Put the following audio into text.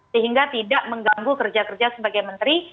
sehingga tidak mengganggu kerja kerja sebagai menteri